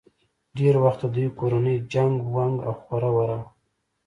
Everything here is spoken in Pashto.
ډېر وخت د دوي کورنۍ چنګ ونګ او خوره وره وه